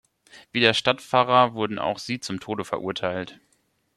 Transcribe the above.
Wie der Stadtpfarrer wurden auch sie zum Tode verurteilt.